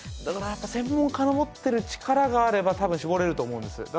だからやっぱ専門家の持ってる力があればたぶん絞れると思うんです。